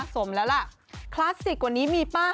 สมแล้วคลาสสิควันนี้มีป่ะ